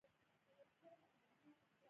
ما دې ته وویل، زه نه وم خبر، مننه.